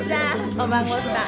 お孫さん。